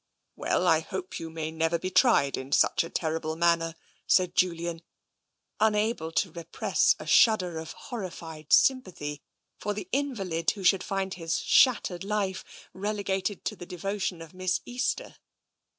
" Well, I hope you may never be tried in such a ter rible manner," said Julian, unable to repress, a shudder of horrified S3mipathy for the invalid who should find 174 TENSION his shattered life relegated to the devotion of Miss Easter.